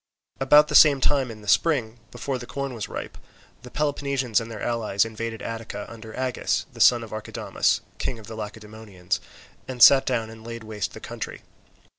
About the same time in the spring, before the corn was ripe, the Peloponnesians and their allies invaded Attica under Agis, the son of Archidamus, king of the Lacedaemonians, and sat down and laid waste the country.